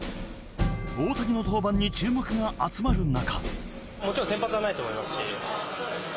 大谷の登板に注目が集まる中。